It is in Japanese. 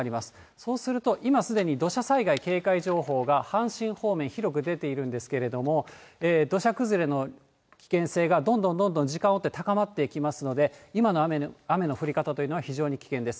そうすると、今すでに土砂災害警戒情報が阪神方面広く出ているんですけれども、土砂崩れの危険性がどんどんどんどん時間を追って高まっていきますので、今の雨の降り方というのは非常に危険です。